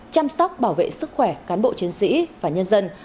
chăm sóc bảo vệ sức khỏe cán bộ chiến sĩ và nhân dân